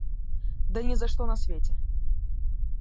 Да ни за что в свете!